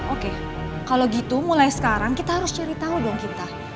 oke kalau gitu mulai sekarang kita harus cari tahu dong kita